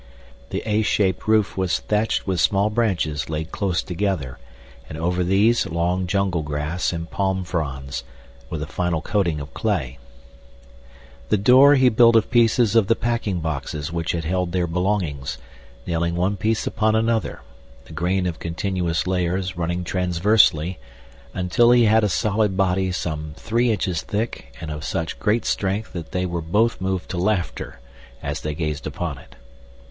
The A shaped roof was thatched with small branches laid close together and over these long jungle grass and palm fronds, with a final coating of clay. The door he built of pieces of the packing boxes which had held their belongings, nailing one piece upon another, the grain of contiguous layers running transversely, until he had a solid body some three inches thick and of such great strength that they were both moved to laughter as they gazed upon it.